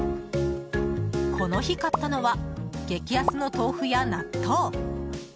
この日、買ったのは激安の豆腐や納豆。